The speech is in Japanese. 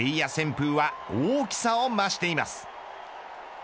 旋風は大きさを増しています。